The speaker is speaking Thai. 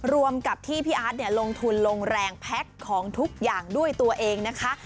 รวมกับที่พี่อาร์ตลงทุนลงแรงแพ็คของทุกอย่างด้วยตัวเองนะคะ